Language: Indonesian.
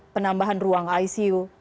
penambahan ruang icu